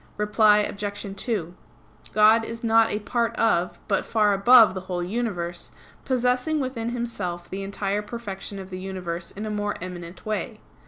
Reply Obj. 2: God is not a part of, but far above, the whole universe, possessing within Himself the entire perfection of the universe in a more eminent way.